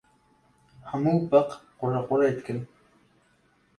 Hemû beq qurequrê dikin.